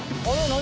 何？